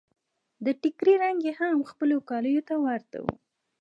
د ټکري رنګ يې هم خپلو کاليو ته ورته و.